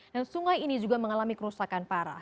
dan sungai ini juga mengalami kerusakan parah